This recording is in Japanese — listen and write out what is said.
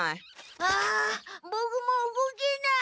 あボクもう動けない。